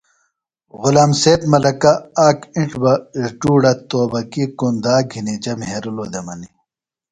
غلام سید ملکہ آک اِنڇ بہ اڙدوڑہ توبکی کُنداک گِھنی جے مھیرِلوۡ دےۡ منیۡ